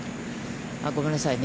ごめんなさいね。